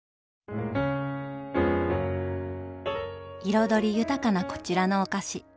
彩り豊かなこちらのお菓子。